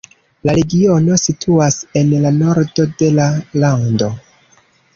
La regiono situas en la nordo de la lando.